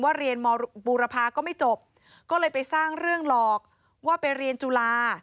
เรียนมบูรพาก็ไม่จบก็เลยไปสร้างเรื่องหลอกว่าไปเรียนจุฬา